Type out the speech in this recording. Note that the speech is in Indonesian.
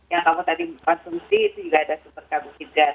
yang kamu tadi konsumsi itu juga ada superkarbohidrat